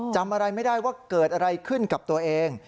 จำอะไรไม่ได้ว่าเกิดอะไรขึ้นกับตัวเอง